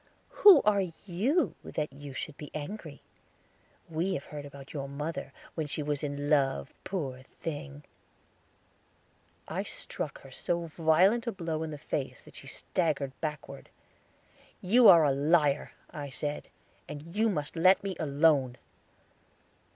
"Who are you that you should be angry? We have heard about your mother, when she was in love, poor thing." I struck her so violent a blow in the face that she staggered backward. "You are a liar," I said, "and you must let me alone."